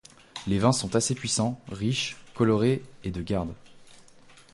Les vins sont assez puissants, riches, colorés et de garde.